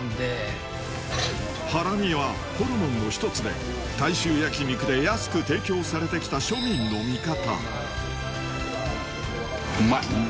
ハラミはホルモンの１つで大衆焼肉で安く提供されてきた庶民の味方